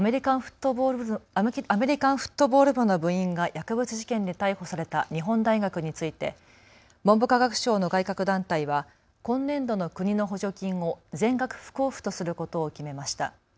アメリカンフットボール部の部員が薬物事件で逮捕された日本大学について文部科学省の外郭団体は今年度の国の補助金を全額不交付とすることを決めました。